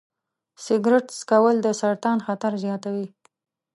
سګرټ څکول د سرطان خطر زیاتوي.